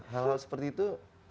hal hal seperti itu